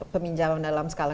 peminjaman dalam skala